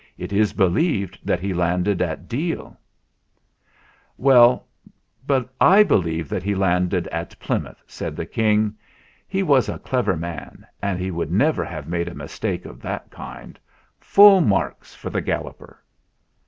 "It is believed that he landed at Deal." THE EXAMINATION 241 "Well, / believe that he landed at Ply mouth," said the King. "He was a clever man, and he would never have made a mis take of that kind. Full marks for the Gal loper!"